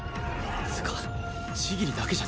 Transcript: つうか千切だけじゃない